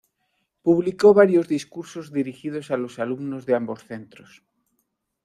Publicó varios discursos dirigidos a los alumnos de ambos centros.